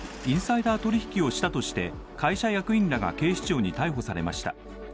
インサイダー取引をしたとして会社役員らが警視庁に逮捕されました。